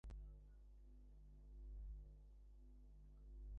হয়তো এ পথেই মেকি আরব বসন্তের বদলে সত্যিকার আরব জাগরণ ঘটবে।